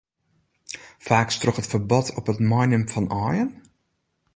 Faaks troch it ferbod op it meinimmen fan aaien?